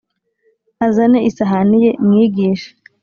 Azane isahani ye mwigishe: